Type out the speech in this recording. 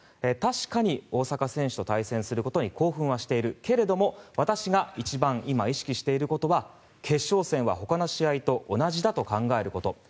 確かに大坂選手と対戦することに興奮はしているけれども私が今一番意識していることは決勝戦は他の試合と同じだと考えること。